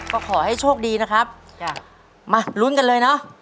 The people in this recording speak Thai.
ก็ขอให้โชคดีนะครับจ้ะมาลุ้นกันเลยเนอะ